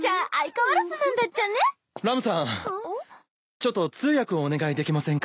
ちょっと通訳をお願いできませんか？